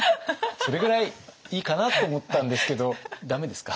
それぐらいいいかなと思ったんですけど駄目ですか？